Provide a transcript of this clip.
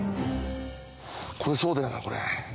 これそうだよなこれ。